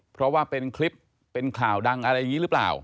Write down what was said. เพราะว่าเป็นคลิปเป็นข่าวดังอะไรอย่างนี้หรือเปล่า